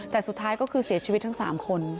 แต่สุดท้ายก็คือเสียชีวิตทั้ง๓คน